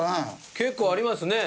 結構ありますね。